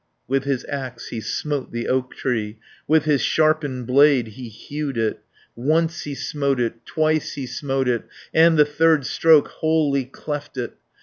With his axe he smote the oak tree, With his sharpened blade he hewed it; Once he smote it, twice he smote it, And the third stroke wholly cleft it.